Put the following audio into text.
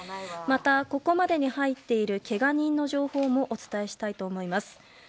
また、ここまでに入っているけが人の情報もお伝えします。